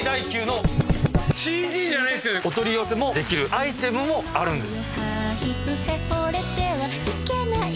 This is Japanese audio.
お取り寄せもできるアイテムもあるんです。